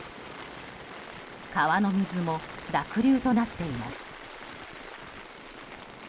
川の水も濁流となっています。